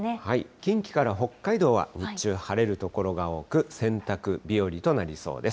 近畿から北海道は日中晴れる所が多く、洗濯日和となりそうです。